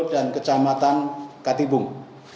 dan kecamatan katibung